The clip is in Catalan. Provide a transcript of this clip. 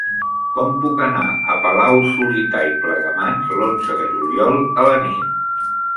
Com puc anar a Palau-solità i Plegamans l'onze de juliol a la nit?